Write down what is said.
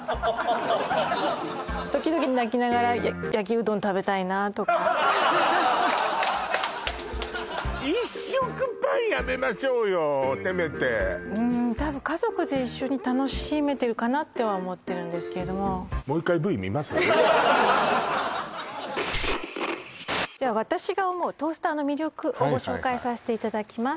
時々なとか一食パンやめましょうよせめてうーん多分家族で一緒に楽しめてるかなとは思ってるんですけどもじゃあ私が思うトースターの魅力をご紹介させていただきます